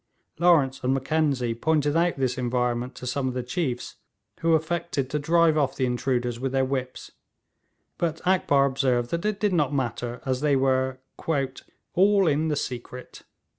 Lawrence and Mackenzie pointed out this environment to some of the chiefs, who affected to drive off the intruders with their whips; but Akbar observed that it did not matter, as they 'were all in the secret.'